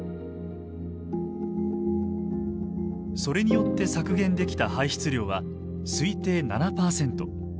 それによって削減できた排出量は推定７％。